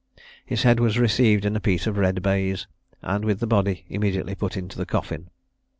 The head was received in a piece of red baize, and, with the body, immediately put into the coffin.